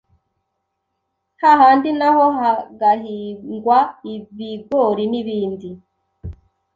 hahandi naho hagahingwa ibigori n’ibindi.